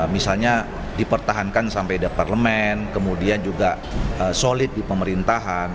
misalnya dipertahankan sampai deparlemen kemudian juga solid di pemerintahan